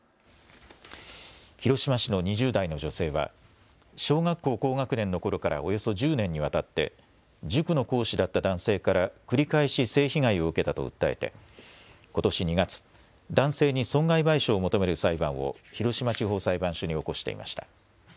広島市の２０代の女性は小学校高学年のころからおよそ１０年にわたって塾の講師だった男性から繰り返し性被害を受けたと訴えてことし２月、男性に損害賠償を求める裁判を広島地方裁判所に起こしていました。